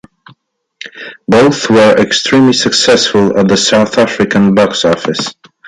Both were extremely successful at the South African box office.